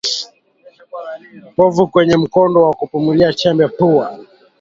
Povu kwenye mkondo wa kupumulia chembe pua